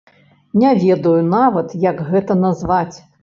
Не ведаю нават, як гэта назваць.